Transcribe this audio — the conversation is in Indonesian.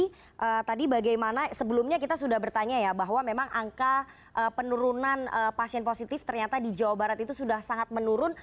jadi tadi bagaimana sebelumnya kita sudah bertanya ya bahwa memang angka penurunan pasien positif ternyata di jawa barat itu sudah sangat menurun